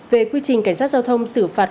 về quy trình cảnh sát giao thông xử phạt